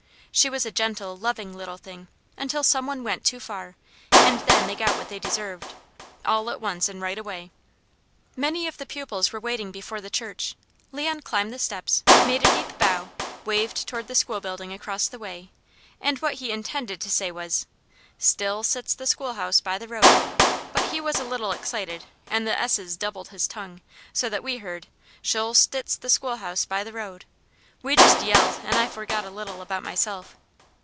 She was a gentle, loving little thing, until some one went too far, and then they got what they deserved, all at once and right away. Many of the pupils were waiting before the church. Leon climbed the steps, made a deep bow, waved toward the school building across the way, and what he intended to say was, "Still sits the schoolhouse by the road," but he was a little excited and the s's doubled his tongue, so that we heard: "Shill stits the schoolhouse by the road." We just yelled and I forgot a little about myself.